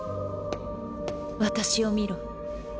私を見ろ